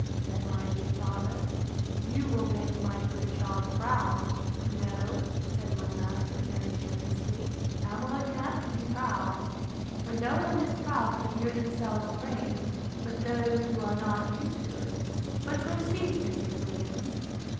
said my dear father, you will make my good child proud. No, said my master very generously, Pamela can't be proud. For no one is proud to hear themselves praised, but those who are not used to it.—But proceed, Mr. Williams.